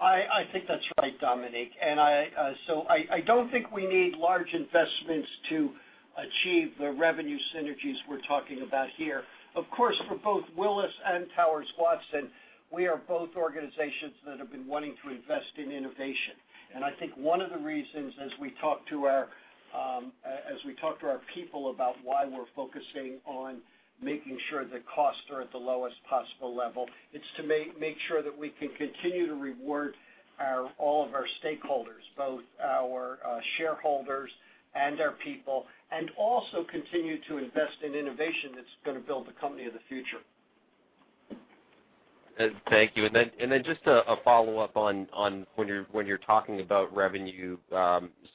I think that's right, Dominic. I don't think we need large investments to achieve the revenue synergies we're talking about here. Of course, for both Willis and Towers Watson, we are both organizations that have been wanting to invest in innovation. I think one of the reasons as we talk to our people about why we're focusing on making sure that costs are at the lowest possible level, it's to make sure that we can continue to reward all of our stakeholders, both our shareholders and our people, and also continue to invest in innovation that's going to build the company of the future. Thank you. Just a follow-up on when you're talking about revenue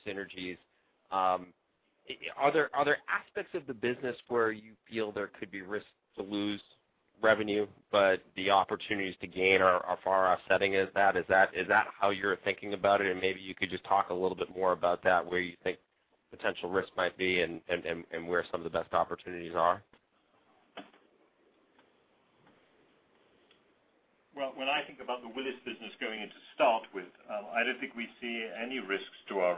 synergies. Are there aspects of the business where you feel there could be risk to lose revenue, but the opportunities to gain are far offsetting as that? Is that how you're thinking about it? Maybe you could just talk a little bit more about that, where you think potential risks might be and where some of the best opportunities are. When I think about the Willis business going in to start with, I don't think we see any risks to our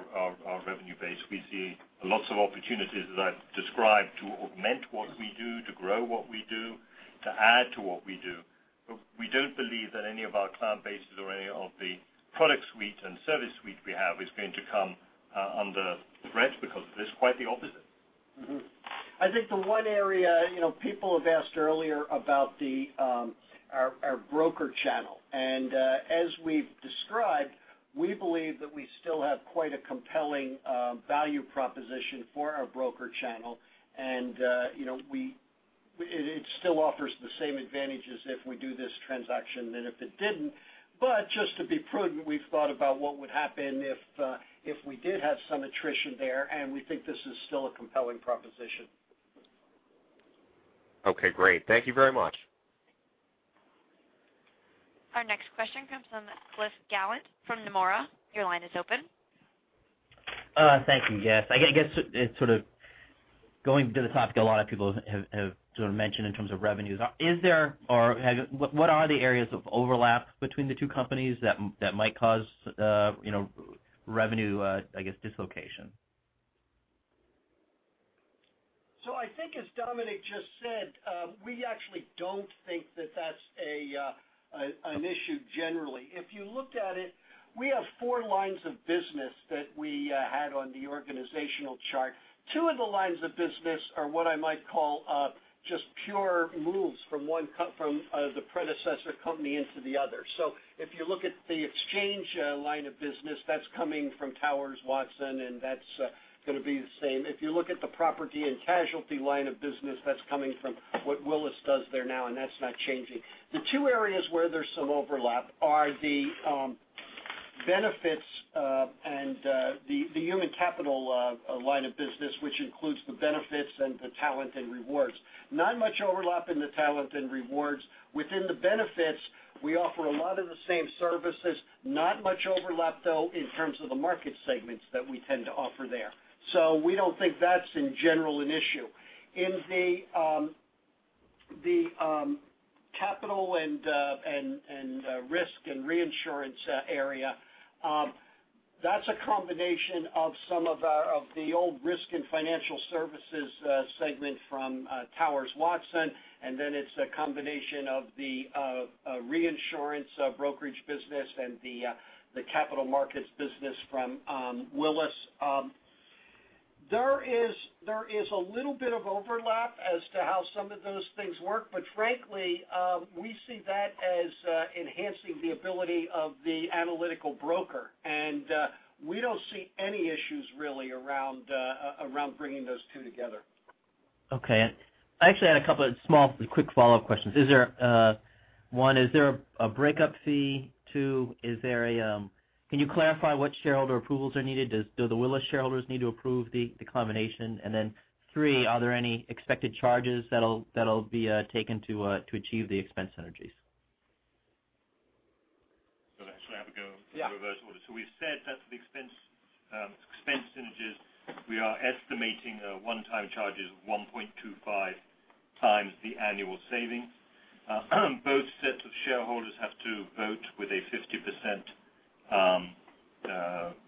revenue base. We see lots of opportunities, as I've described, to augment what we do, to grow what we do, to add to what we do. We don't believe that any of our client bases or any of the product suite and service suite we have is going to come under threat because of this. Quite the opposite. I think the one area people have asked earlier about our broker channel. As we've described, we believe that we still have quite a compelling value proposition for our broker channel. It still offers the same advantages if we do this transaction than if it didn't. Just to be prudent, we've thought about what would happen if we did have some attrition there, and we think this is still a compelling proposition. Okay, great. Thank you very much. Our next question comes from Cliff Gallant from Nomura. Your line is open. Thank you. I guess, going to the topic a lot of people have mentioned in terms of revenues. What are the areas of overlap between the two companies that might cause revenue, I guess, dislocation? I think as Dominic just said, we actually don't think that that's an issue generally. If you looked at it, we have four lines of business that we had on the organizational chart. Two of the lines of business are what I might call just pure moves from the predecessor company into the other. If you look at the exchange line of business, that's coming from Towers Watson, and that's going to be the same. If you look at the property and casualty line of business, that's coming from what Willis does there now, and that's not changing. The two areas where there's some overlap are the benefits and the human capital line of business, which includes the benefits and the talent and rewards. Not much overlap in the talent and rewards. Within the benefits, we offer a lot of the same services. Not much overlap, though, in terms of the market segments that we tend to offer there. We don't think that's, in general, an issue. In the capital and risk and reinsurance area, that's a combination of some of the old risk and financial services segment from Towers Watson, and then it's a combination of the reinsurance brokerage business and the capital markets business from Willis. There is a little bit of overlap as to how some of those things work, but frankly, we see that as enhancing the ability of the analytical broker. We don't see any issues really around bringing those two together. Okay. I actually had a couple of small, quick follow-up questions. One, is there a breakup fee? Two, can you clarify what shareholder approvals are needed? Do the Willis shareholders need to approve the combination? Three, are there any expected charges that'll be taken to achieve the expense synergies? Actually I have a Yeah in reverse order. We've said that for the expense synergies, we are estimating one-time charges of 1.25 times the annual savings. Both sets of shareholders have to vote with a 50%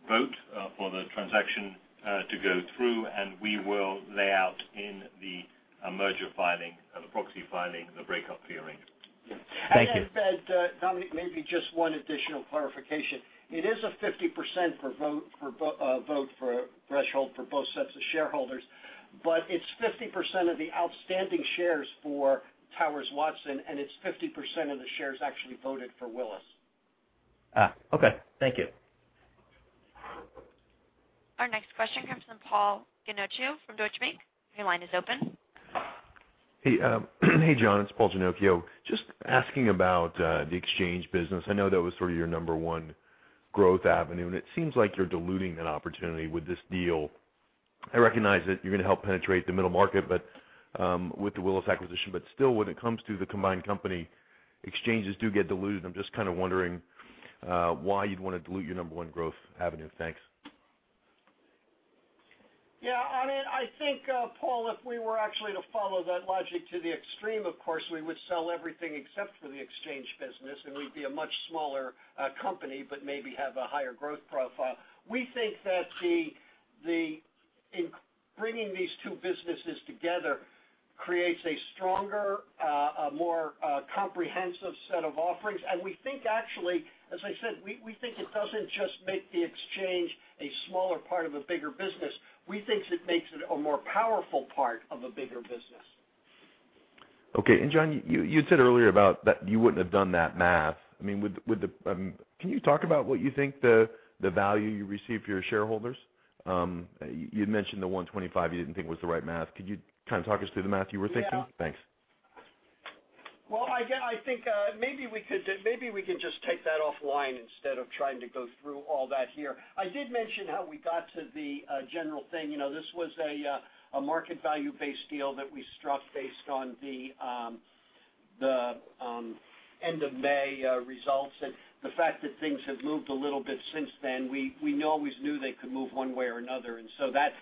vote for the transaction to go through. We will lay out in the merger filing, the proxy filing, the breakup fee arrangement. Thank you. Dom, maybe just one additional clarification. It is a 50% vote for a threshold for both sets of shareholders, but it's 50% of the outstanding shares for Towers Watson, and it's 50% of the shares actually voted for Willis. Okay. Thank you. Our next question comes from Paul Newsome from Deutsche Bank. Your line is open. Hey, John. It's Paul Newsome. Just asking about the exchange business. I know that was sort of your number one growth avenue, and it seems like you're diluting that opportunity with this deal. I recognize that you're going to help penetrate the middle market with the Willis acquisition, but still, when it comes to the combined company, exchanges do get diluted. I'm just kind of wondering why you'd want to dilute your number one growth avenue. Thanks. Yeah. I think, Paul, if we were actually to follow that logic to the extreme, of course, we would sell everything except for the exchange business, and we'd be a much smaller company, but maybe have a higher growth profile. We think that bringing these two businesses together creates a stronger, more comprehensive set of offerings. We think, actually, as I said, we think it doesn't just make the exchange a smaller part of a bigger business. We think it makes it a more powerful part of a bigger business. Okay. John, you'd said earlier about that you wouldn't have done that math. Can you talk about what you think the value you receive for your shareholders? You'd mentioned the $125 you didn't think was the right math. Could you kind of talk us through the math you were thinking? Yeah. Thanks. Well, I think maybe we can just take that offline instead of trying to go through all that here. I did mention how we got to the general thing. This was a market value-based deal that we struck based on the end-of-May results and the fact that things have moved a little bit since then. We always knew they could move one way or another, and so that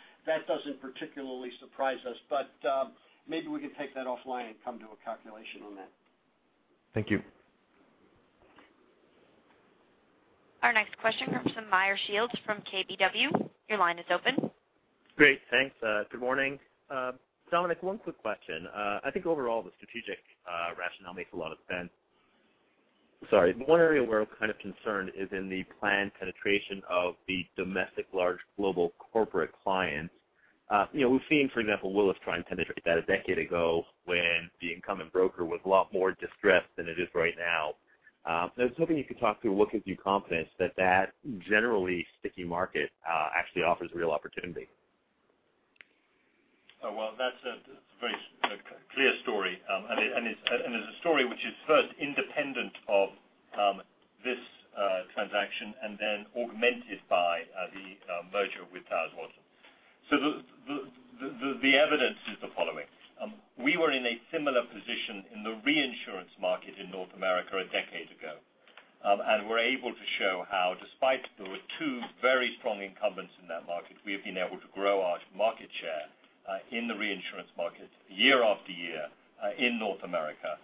doesn't particularly surprise us. Maybe we can take that offline and come to a calculation on that. Thank you. Our next question comes from Meyer Shields from KBW. Your line is open. Great. Thanks. Good morning. Dominic, one quick question. I think overall the strategic rationale makes a lot of sense. Sorry. One area where I'm kind of concerned is in the planned penetration of the domestic large global corporate clients. We've seen, for example, Willis trying to penetrate that a decade ago when the incumbent broker was a lot more distressed than it is right now. I was hoping you could talk through what gives you confidence that that generally sticky market actually offers real opportunity. Well, that's a very clear story. It's a story which is first independent of this transaction and then augmented by the merger with Towers Watson. The evidence is the following. We were in a similar position in the reinsurance market in North America a decade ago. We're able to show how, despite there were two very strong incumbents in that market, we have been able to grow our market share in the reinsurance market year after year in North America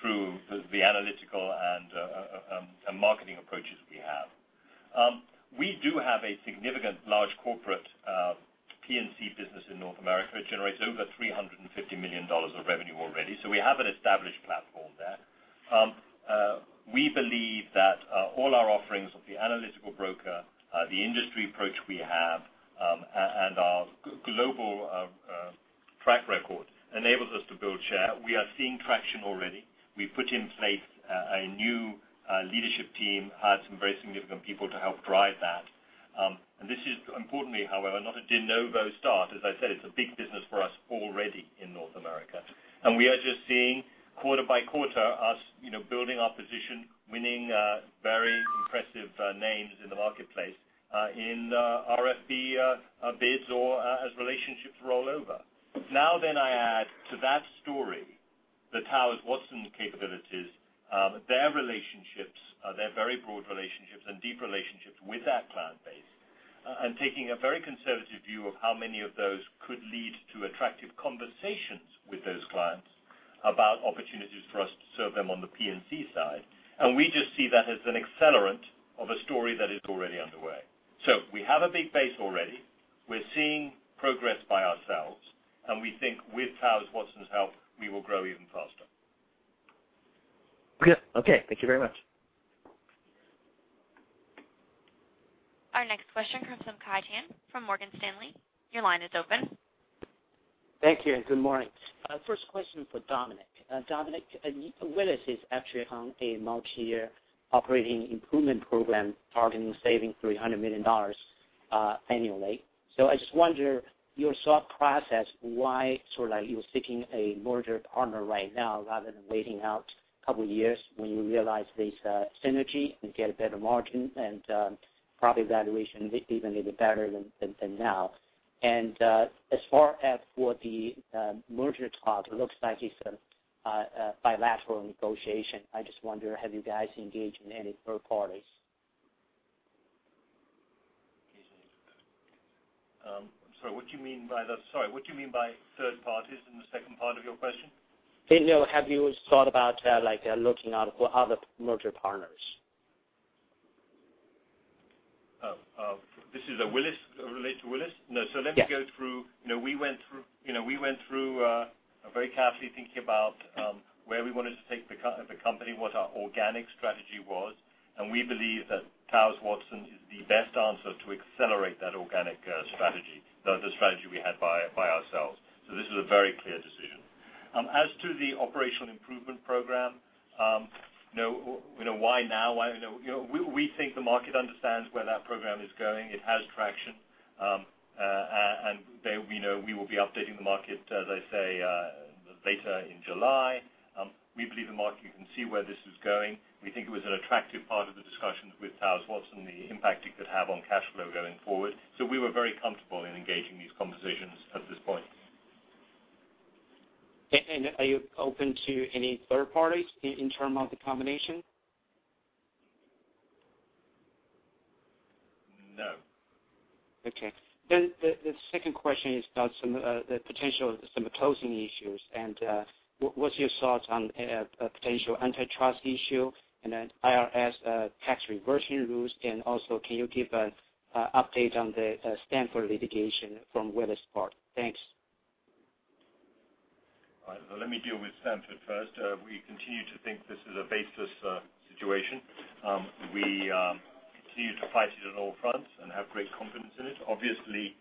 through the analytical and marketing approaches we have. We do have a significant large corporate P&C business in North America. It generates over $350 million of revenue already. We have an established platform there. We believe that all our offerings of the analytical broker, the industry approach we have, and our global track record enables us to build share. We are seeing traction already. We put in place a new leadership team, hired some very significant people to help drive that. This is importantly, however, not a de novo start. As I said, it's a big business for us already in North America. We are just seeing quarter by quarter us building our position, winning very impressive names in the marketplace in RFP bids or as relationships roll over. I add to that story the Towers Watson capabilities, their relationships, their very broad relationships and deep relationships with that client base, and taking a very conservative view of how many of those could lead to attractive conversations with those clients about opportunities for us to serve them on the P&C side. We just see that as an accelerant of a story that is already underway. We have a big base already. We're seeing progress by ourselves, and we think with Towers Watson's help, we will grow even faster. Okay. Thank you very much. Our next question comes from Kai Pan from Morgan Stanley. Your line is open. Thank you and good morning. First question for Dominic. Dominic, Willis is actually on a multi-year operating improvement program targeting saving $300 million annually. I just wonder, your thought process why you're seeking a merger partner right now rather than waiting out a couple of years when you realize this synergy and get a better margin and probably valuation even better than now. As far as for the merger talks, it looks like it's a bilateral negotiation. I just wonder, have you guys engaged any third parties? I'm sorry, what do you mean by third parties in the second part of your question? Have you thought about looking out for other merger partners? This is related to Willis? No. Yeah. Let me go through. We went through very carefully thinking about where we wanted to take the company, what our organic strategy was, we believe that Towers Watson is the best answer to accelerate that organic strategy, the strategy we had by ourselves. This is a very clear decision. As to the operational improvement program, why now? We think the market understands where that program is going. It has traction. We will be updating the market, as I say, later in July. We believe the market can see where this is going. We think it was an attractive part of the discussions with Towers Watson, the impact it could have on cash flow going forward. We were very comfortable in engaging these conversations at this point. Are you open to any third parties in terms of the combination? No. Okay. The second question is about some of the potential closing issues. What's your thoughts on a potential antitrust issue and an IRS tax inversion rules? Can you give an update on the Stanford litigation from Willis' part? Thanks. All right. Let me deal with Stanford first. We continue to think this is a baseless situation. We continue to fight it on all fronts and have great confidence in it. Obviously,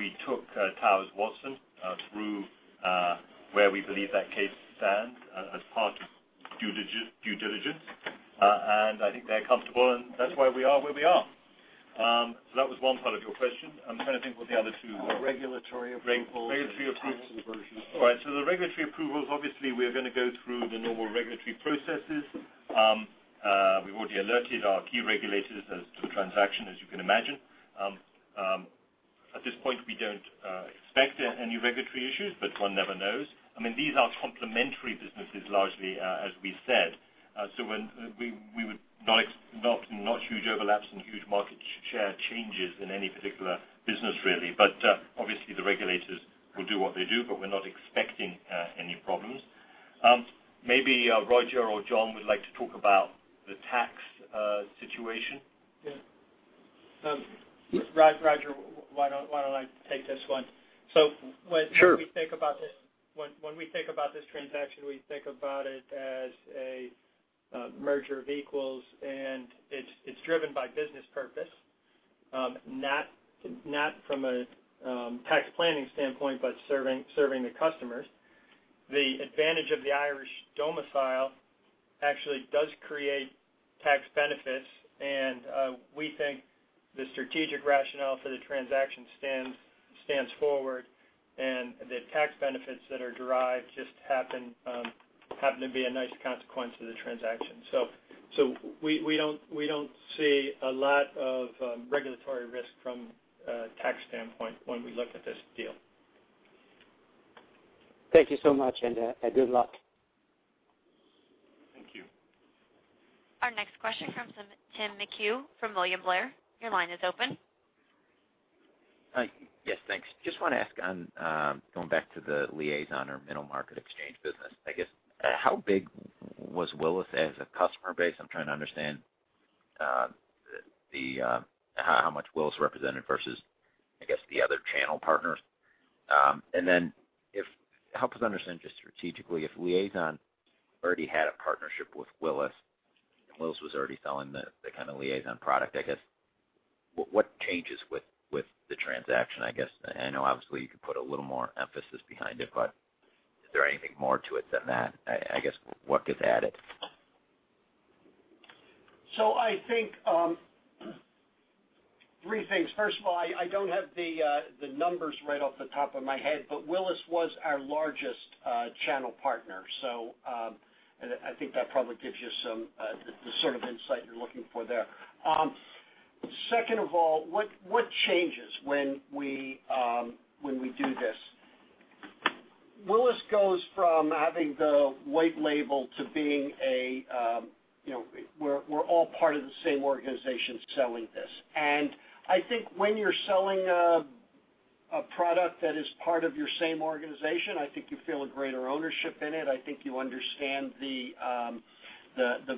we took Towers Watson through where we believe that case stands as part of due diligence. I think they're comfortable, and that's why we are where we are. That was one part of your question. I'm trying to think what the other two were. Regulatory approval. Regulatory approval. All right. The regulatory approvals, obviously, we are going to go through the normal regulatory processes. We've already alerted our key regulators as to the transaction, as you can imagine. At this point, we don't expect any regulatory issues, but one never knows. These are complementary businesses, largely, as we said. Not huge overlaps and huge market share changes in any particular business, really. Obviously, the regulators will do what they do, but we're not expecting any problems. Maybe Roger or John would like to talk about the tax situation. Yeah. Roger, why don't I take this one? Sure. When we think about this transaction, we think about it as a merger of equals, and it's driven by business purpose. Not from a tax planning standpoint, but serving the customers. The advantage of the Irish domicile actually does create tax benefits, and we think the strategic rationale for the transaction stands forward, and the tax benefits that are derived just happen to be a nice consequence of the transaction. We don't see a lot of regulatory risk from a tax standpoint when we look at this deal. Thank you so much, and good luck. Thank you. Our next question comes from Tim McHugh from William Blair. Your line is open. Yes, thanks. Just want to ask, going back to the Liazon or middle market exchange business, I guess, how big was Willis as a customer base? I'm trying to understand how much Willis represented versus, I guess, the other channel partners. Help us understand just strategically, if Liazon already had a partnership with Willis, and Willis was already selling the kind of Liazon product, I guess, what changes with the transaction, I guess? I know obviously you could put a little more emphasis behind it, but is there anything more to it than that? I guess, what gets added? I think three things. First of all, I don't have the numbers right off the top of my head. Willis was our largest channel partner. I think that probably gives you the sort of insight you're looking for there. Second of all, what changes when we do this? Willis goes from having the white label to being we're all part of the same organization selling this. I think when you're selling a product that is part of your same organization, I think you feel a greater ownership in it. I think you understand the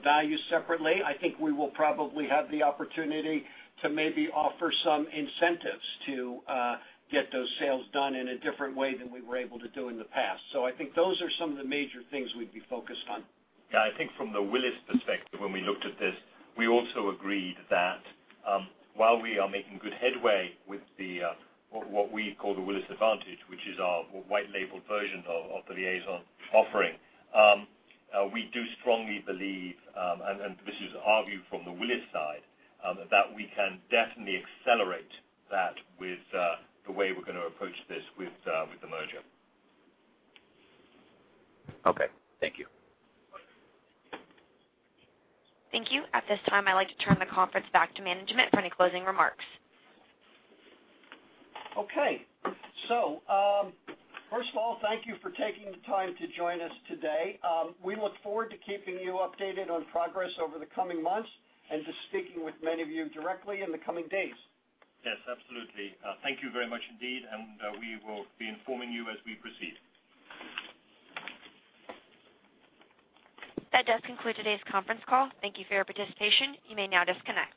value separately. I think we will probably have the opportunity to maybe offer some incentives to get those sales done in a different way than we were able to do in the past. I think those are some of the major things we'd be focused on. I think from the Willis perspective, when we looked at this, we also agreed that while we are making good headway with what we call the Willis Advantage, which is our white labeled version of the Liazon offering. We do strongly believe, this is our view from the Willis side, that we can definitely accelerate that with the way we're going to approach this with the merger. Okay. Thank you. Thank you. At this time, I'd like to turn the conference back to management for any closing remarks. Okay. First of all, thank you for taking the time to join us today. We look forward to keeping you updated on progress over the coming months and to speaking with many of you directly in the coming days. Yes, absolutely. Thank you very much indeed. We will be informing you as we proceed. That does conclude today's conference call. Thank you for your participation. You may now disconnect.